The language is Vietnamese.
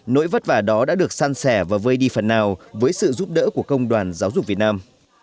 nỗi vất vả đó đã được san sẻ và vơi đi phần nào với sự giúp đỡ của công đoàn giáo dục việt nam